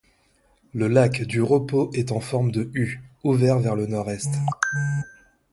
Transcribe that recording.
Le lac du repos est en forme de U, ouvert vers le nord-est.